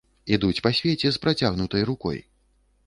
Ідуць па свеце з працягнутай рукой!